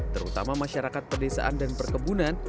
terutama masyarakat pedesaan dan perkebunan